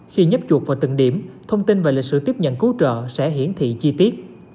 khi nhấp chuột vào từng điểm thông tin về lịch sử tiếp nhận cứu trợ sẽ hiển thị chi tiết